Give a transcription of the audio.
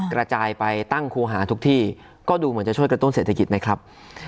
กระจายไปตั้งครูหาทุกที่ก็ดูเหมือนจะช่วยกระตุ้นเศรษฐกิจไหมครับ